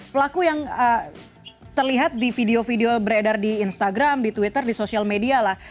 pelaku yang terlihat di video video beredar di instagram di twitter di sosial media lah